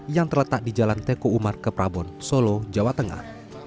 yang terletak di jalan teko umar ke prabon solo jawa tengah